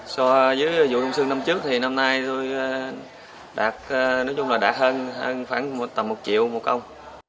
so với dụng sương năm trước thì năm nay tôi đạt hơn khoảng tầm một triệu đồng một công